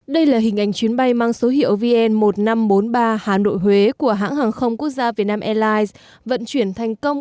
đây là hình ảnh chuyến bay mang số hiệu vn một nghìn năm trăm bốn mươi ba hà nội huế của hãng hàng không quốc gia việt nam airlines vận chuyển thành công